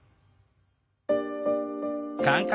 感覚